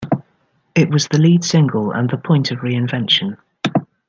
It was the lead single and the point of reinvention.